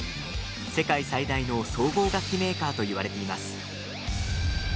世界最大の総合楽器メーカーと言われています。